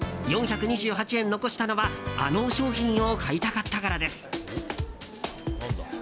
４２８円残したのはあの商品を買いたかったからです。